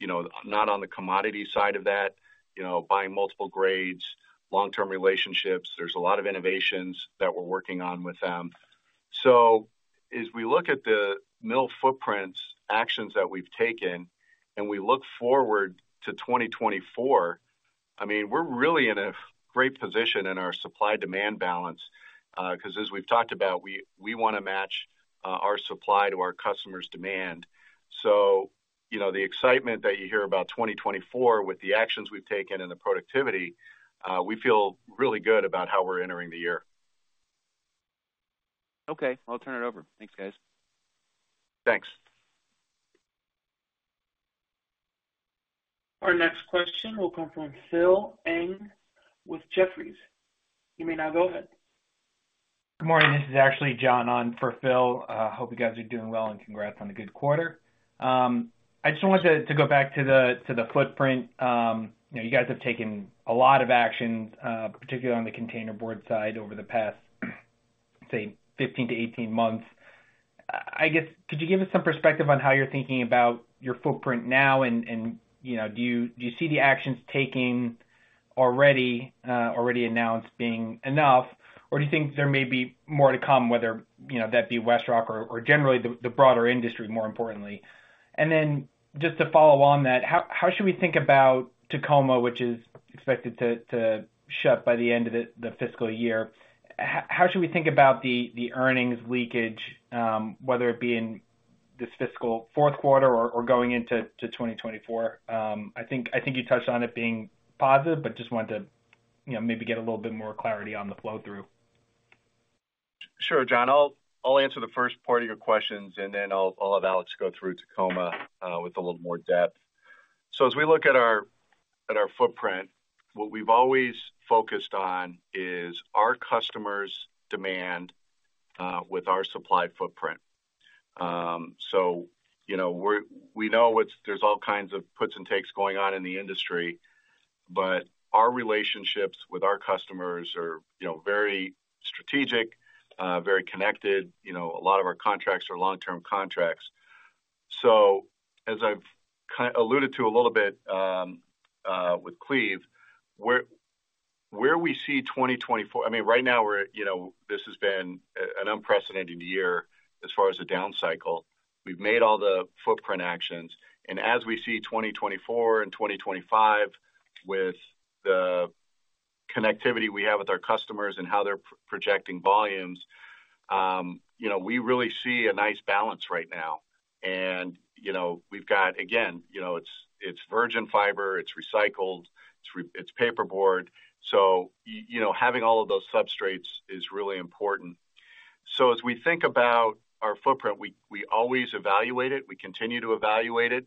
you know, not on the commodity side of that, you know, buying multiple grades, long-term relationships. There's a lot of innovations that we're working on with them. As we look at the mill footprints actions that we've taken, and we look forward to 2024, I mean, we're really in a great position in our supply-demand balance, 'cause as we've talked about, we, we wanna match our supply to our customers' demand. You know, the excitement that you hear about 2024 with the actions we've taken and the productivity, we feel really good about how we're entering the year. Okay. I'll turn it over. Thanks, guys. Thanks. Our next question will come from Phil Ng with Jefferies. You may now go ahead. Good morning. This is actually John on for Phil. Hope you guys are doing well, and congrats on a good quarter. I just wanted to, to go back to the, to the footprint. You know, you guys have taken a lot of action, particularly on the containerboard side over the past, say, 15-18 months. I guess, could you give us some perspective on how you're thinking about your footprint now, and, and, you know, do you, do you see the actions taking already, already announced being enough, or do you think there may be more to come, whether, you know, that be WestRock or, or generally the, the broader industry, more importantly? Then just to follow on that, how, how should we think about Tacoma, which is expected to, to shut by the end of the, the fiscal year? How should we think about the, the earnings leakage, whether it be in this fiscal fourth quarter or, or going into to 2024? I think, I think you touched on it being positive, but just wanted to, you know, maybe get a little bit more clarity on the flow-through. Sure, John. I'll, I'll answer the first part of your questions, and then I'll, I'll have Alex go through Tacoma with a little more depth. As we look at our, at our footprint, what we've always focused on is our customer's demand with our supply footprint. You know, we know there's all kinds of puts and takes going on in the industry, but our relationships with our customers are, you know, very strategic, very connected. You know, a lot of our contracts are long-term contracts. As I've alluded to a little bit with Cleve, where, where we see 2024, I mean, right now, we're at, you know, this has been an unprecedented year as far as the down cycle. We've made all the footprint actions, As we see 2024 and 2025, with the connectivity we have with our customers and how they're projecting volumes, you know, we really see a nice balance right now. You know, we've got, again, you know, it's, it's virgin fiber, it's recycled, it's paperboard. You know, having all of those substrates is really important. As we think about our footprint, we, we always evaluate it, we continue to evaluate it.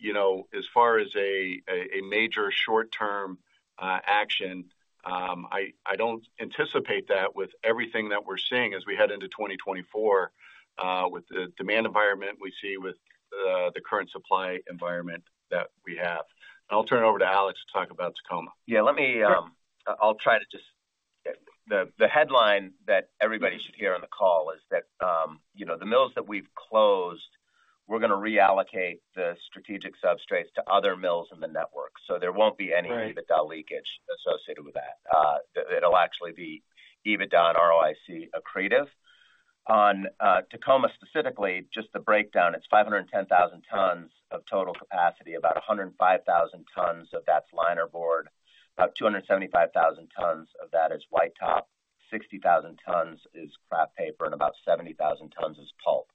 You know, as far as a, a, a major short-term action, I, I don't anticipate that with everything that we're seeing as we head into 2024, with the demand environment we see with the, the current supply environment that we have. I'll turn it over to Alex to talk about Tacoma. Yeah, let me. Sure. I'll try to just- The, the headline that everybody should hear on the call is that, you know, the mills that we've closed, we're going to reallocate the strategic substrates to other mills in the network, so there won't be any EBITDA leakage associated with that. It'll actually be EBITDA and ROIC accretive. On Tacoma specifically, just the breakdown, it's 510,000 tons of total capacity, about 105,000 tons of that's linerboard. About 275,000 tons of that is white top, 60,000 tons is kraft paper, and about 70,000 tons is pulp.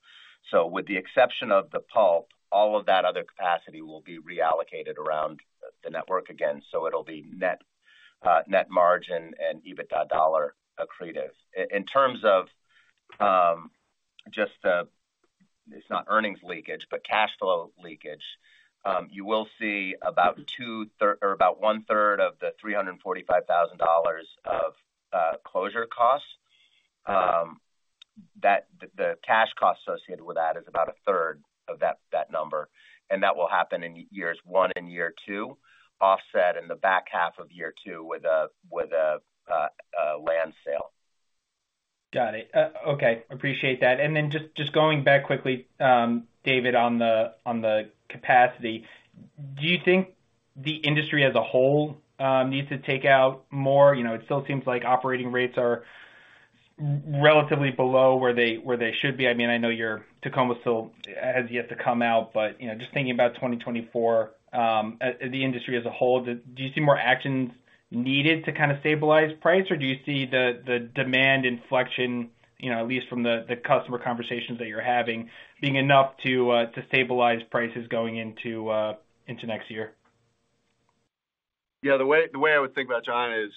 With the exception of the pulp, all of that other capacity will be reallocated around the network again, so it'll be net, net margin and EBITDA dollar accretive. In terms of just the, it's not earnings leakage, but cash flow leakage, you will see about one-third of the $345,000 of closure costs. The cash cost associated with that is about a third of that number, and that will happen in years one and year two, offset in the back half of year two with a, with a, a land sale. Got it. Okay, appreciate that. Then just, just going back quickly, David, on the, on the capacity, do you think the industry as a whole, needs to take out more? You know, it still seems like operating rates are relatively below where they, where they should be. I mean, I know your Tacoma Mill still has yet to come out, but, you know, just thinking about 2024, as the industry as a whole, do you see more actions needed to kind of stabilize price? Or do you see the, the demand inflection, you know, at least from the, the customer conversations that you're having, being enough to stabilize prices going into next year? Yeah, the way, the way I would think about John is,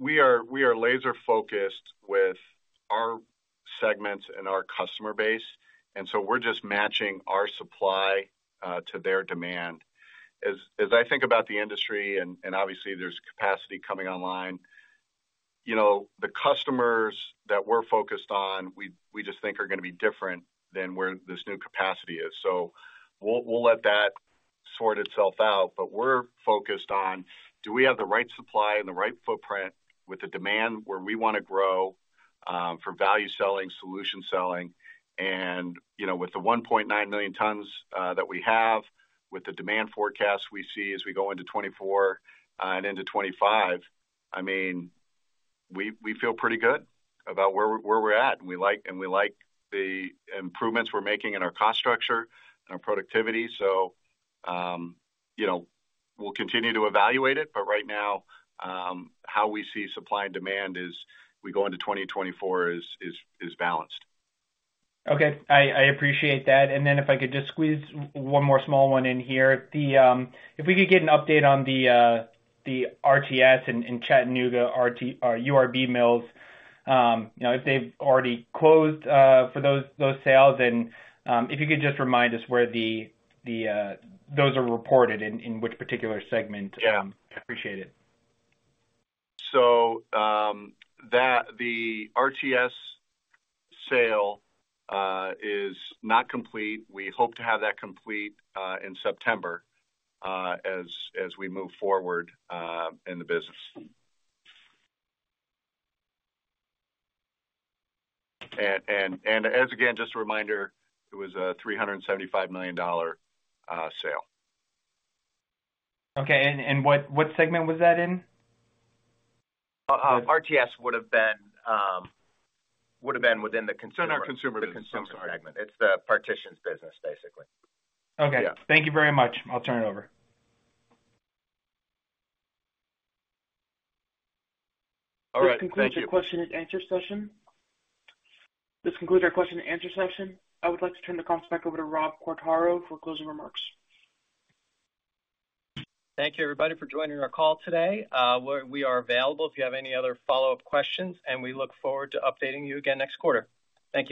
we are, we are laser-focused with our segments and our customer base. We're just matching our supply to their demand. As I think about the industry, obviously there's capacity coming online, you know, the customers that we're focused on, we, we just think are going to be different than where this new capacity is. We'll, we'll let that sort itself out, but we're focused on: Do we have the right supply and the right footprint with the demand where we want to grow for value selling, solution selling? You know, with the 1.9 million tons that we have, with the demand forecast we see as we go into 2024, and into 2025, I mean, we, we feel pretty good about where we're, where we're at, and we like the improvements we're making in our cost structure and our productivity. You know, we'll continue to evaluate it, but right now, how we see supply and demand as we go into 2024 is, is, is balanced. Okay, I, I appreciate that. If I could just squeeze one more small one in here. The, if we could get an update on the RTS in Chattanooga, or URB mills, you know, if they've already closed for those sales, and if you could just remind us where those are reported in which particular segment? Yeah. I appreciate it. That the RTS sale is not complete. We hope to have that complete in September as we move forward in the business. As again, just a reminder, it was a $375 million sale. Okay, and what segment was that in? RTS would have been, would have been within the consumer-. It's in our consumer. The consumer segment. It's the partitions business, basically. Okay. Yeah. Thank you very much. I'll turn it over. All right. Thank you. This concludes the question and answer session. This concludes our question and answer session. I would like to turn the call back over to Rob Quartaro for closing remarks. Thank you, everybody, for joining our call today. We, we are available if you have any other follow-up questions. We look forward to updating you again next quarter. Thank you.